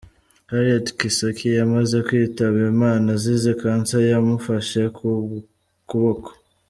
Harriet Kisakye yamaze kwitaba Imana azize cancer yamufashe ku ukuboko.